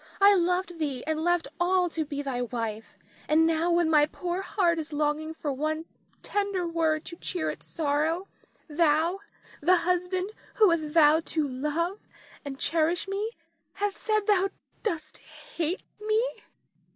I loved thee and left all to be thy wife, and now when my poor heart is longing for one tender word to cheer its sorrow, thou, the husband who hath vowed to love and cherish me, hath said thou dost hate me.